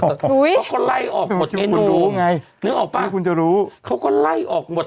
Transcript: เขาก็ไล่ออกหมดไงหนูนึกออกปะนี่คุณจะรู้เขาก็ไล่ออกหมด